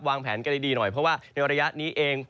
วางแผนกันดีหน่อยเพราะว่าในระยะนี้เอง